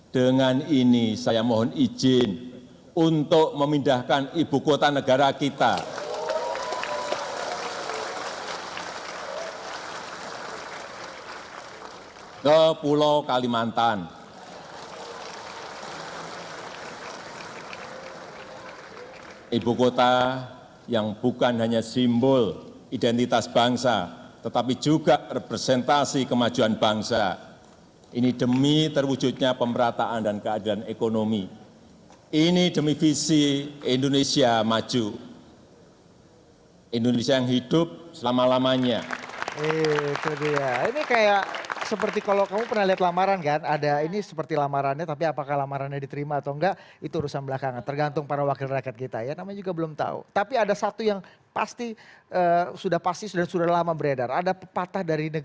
dengan ini saya mohon izin untuk memindahkan ibu kota negara kita